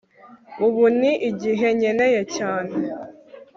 Ubu ni igihe nkeneye cyane